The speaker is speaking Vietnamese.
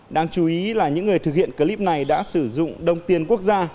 đang chú ý là những người thực hiện clip này đã sử dụng đông tiền quốc gia